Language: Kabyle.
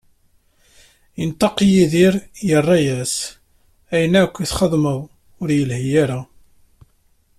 Inṭeq Yidir, irra-as: Ayen akka i txeddmeḍ, ur ilhi ara.